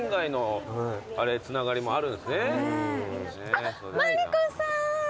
あっ真理子さん。